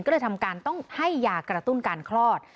ก็เลยทำการต้องให้ยากระตุ้นการคลอด